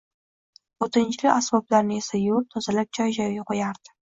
O`tinchilik asboblarini esa yuvib, tozalab joy-joyiga qo`yardi